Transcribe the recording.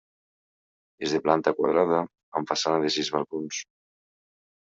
És de planta quadrada, amb façana de sis balcons.